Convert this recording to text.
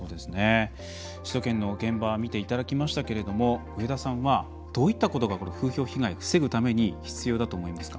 首都圏の現場見ていただきましたけれども上田さんは、どういったことが風評被害を防ぐために必要だと思いますか。